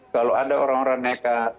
kalau ada orang orang nekat